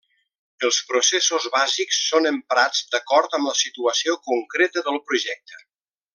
Els processos bàsics són emprats d'acord amb la situació concreta del projecte.